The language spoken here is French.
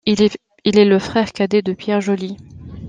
Il est le frère cadet de Pierre Joly.